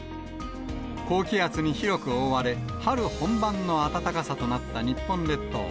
高気圧に広く覆われ、春本番の暖かさとなった日本列島。